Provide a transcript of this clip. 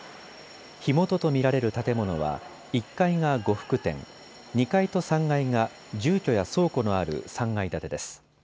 火元と見られる建物は１階が呉服店、２階と３階が住居や倉庫のある３階建てです。